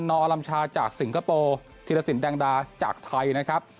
อลัมชาจากสิงคโปร์ธีรสินแดงดาจากไทยนะครับ